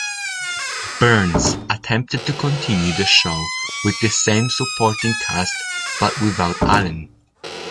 Burns attempted to continue the show with the same supporting cast but without Allen.